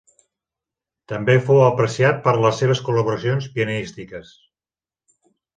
També fou apreciat per les seves col·laboracions pianístiques.